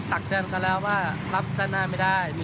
อ๋อแสดงว่าปล่อยเลยใช่ไหม